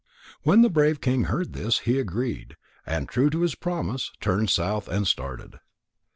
When the brave king heard this, he agreed, and, true to his promise, turned south and started.